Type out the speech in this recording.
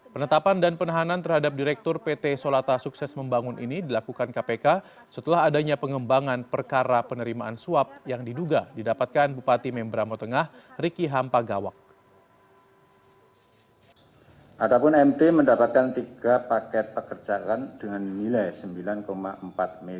penetapan dan penahanan terhadap direktur pt solata sukses membangun ini dilakukan kpk setelah adanya pengembangan perkara penerimaan suap yang diduga didapatkan bupati membramo tengah riki hampagawai